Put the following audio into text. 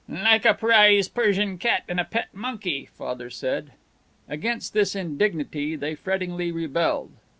"Like a prize Persian cat and a pet monkey," Father said. Against this indignity they frettingly rebelled.